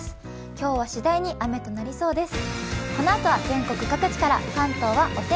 今日はしだいに雨となりそうです。